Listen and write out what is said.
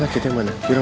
mas buku anda